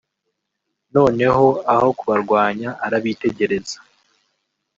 noneho aho kubarwanya arabitegereza